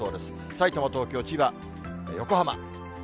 さいたま、東京、千葉、横浜。